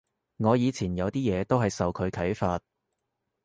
我以前有啲嘢都係受佢啓發